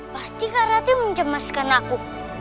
pasti kak rati mencemaskan aku